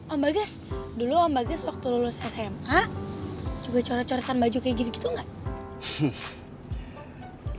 om bagas dulu om bagas waktu lulus sma juga coret coretan baju kayak gitu gak